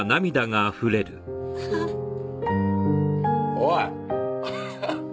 おい。